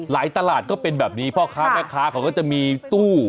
ตลาดก็เป็นแบบนี้พ่อค้าแม่ค้าเขาก็จะมีตู้